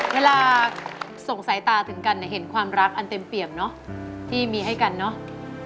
เวลาส่งสายตาถึงกันเนี่ยเห็นความรักอันเต็มเปี่ยมเนอะที่มีให้กันเนอะ